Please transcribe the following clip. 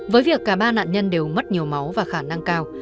với việc cả ba nạn nhân đều mất nhiều máu và khả năng cao